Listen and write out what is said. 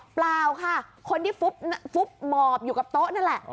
เปล่าค่ะคนที่ฟุบหมอบอยู่กับโต๊ะนั่นแหละ